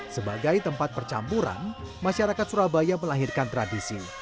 sebagai tempat percampuran masyarakat surabaya melahirkan tradisi